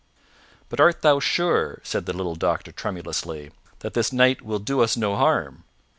"But art thou sure," said the little doctor tremulously, "that this knight will do us no harm?